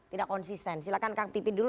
tidak konsisten silahkan kang pipi dulu